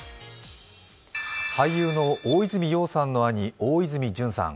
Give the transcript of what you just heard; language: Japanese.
俳優の大泉洋さんの兄大泉潤さん